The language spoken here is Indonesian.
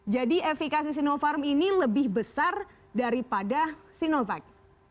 jadi efekasi sinovac ini lebih besar daripada sinovac